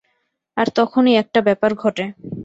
আর তখনই একটা ব্যাপার ঘটে।